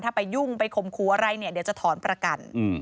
ถ้าไปยุ่งไปขมครูอะไรเดี๋ยวจะถอนประกัน